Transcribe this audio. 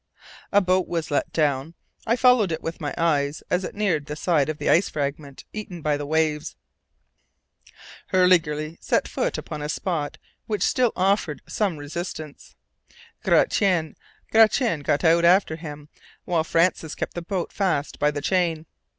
A boat was let down. I followed it with my eyes as it neared the side of the ice fragment eaten by the waves. Hurliguerly set foot upon a spot which still offered some resistance. Gratian got out after him, while Francis kept the boat fast by the chain.